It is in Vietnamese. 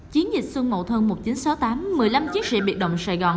chiến dịch xuân mậu thân một nghìn chín trăm sáu mươi tám một mươi năm chiến sĩ biệt động sài gòn